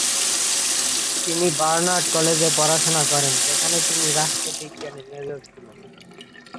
তিনি বার্নার্ড কলেজে পড়াশোনা করেন, যেখানে তিনি রাষ্ট্রবিজ্ঞানে মেজর ছিলেন।